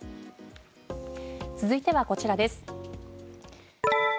続いてはこちらです。